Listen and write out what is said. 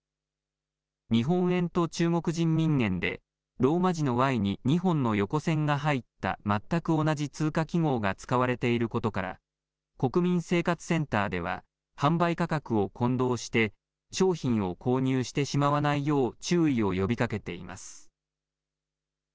日本円と中国人民元でローマ字のＹに２本の横線が入った全く同じ通貨記号が使われていることから国民生活センターでは販売価格を混同して商品を購入してしまわないよう注意を呼びかけています。